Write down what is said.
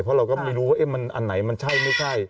เพราะเราก็ไม่รู้ว่ามันอันไหนมันใช่ไม่ใช่